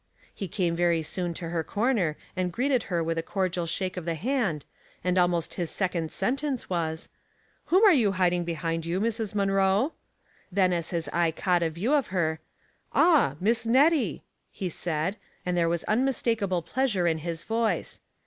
He came very soon to her corner and greeted her with a cordial shake of the hand, and almost his second sentence was, —" Whom are you hiding beliind you, Mrs. Munroe ?" Then, as his eye caught a view of her, "Ah, Miss Nettie !" he said, and there was unmistakable pleasure in his voice.